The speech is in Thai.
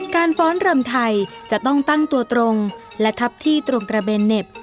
ฟ้อนรำไทยจะต้องตั้งตัวตรงและทับที่ตรงกระเบนเหน็บ